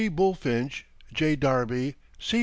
Bulfinch, J. Darby, C.